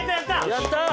やったー！